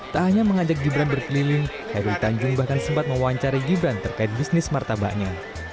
tak hanya mengajak gibran berkeliling khairul tanjung bahkan sempat mewawancarai gibran terkait bisnis martabatnya